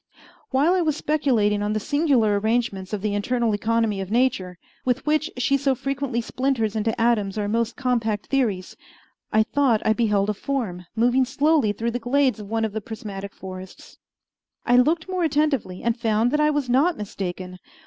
While I was speculating on the singular arrangements of the internal economy of Nature, with which she so frequently splinters into atoms our most compact theories, I thought I beheld a form moving slowly through the glades of one of the prismatic forests. I looked more attentively, and found that I was not mistaken.